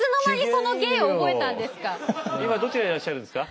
今どちらにいらっしゃるんですか？